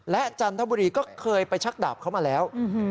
จันทบุรีก็เคยไปชักดาบเขามาแล้ว